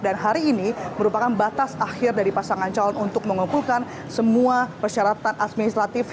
dan hari ini merupakan batas akhir dari pasangan calon untuk mengumpulkan semua persyaratan administratif